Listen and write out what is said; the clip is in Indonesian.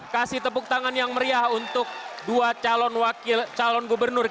kasih tepuk tangan yang meriah untuk dua calon wakil calon gubernur